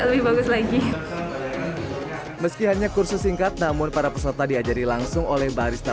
lebih bagus lagi meski hanya kursus singkat namun para peserta diajari langsung oleh barista